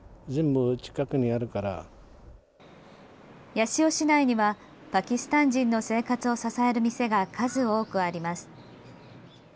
八潮市内にはパキスタン人の生活を支える店が数多くあります。